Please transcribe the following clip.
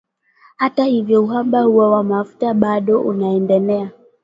Hata hivyo, uhaba huo wa mafuta bado unaendelea.